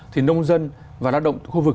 thì nông dân và lao động khu vực